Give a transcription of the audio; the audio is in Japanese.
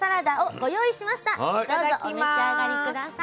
どうぞお召し上がり下さい。